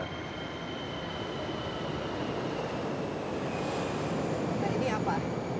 nah ini apa